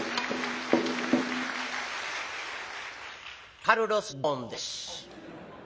「カルロス・ゴーンです。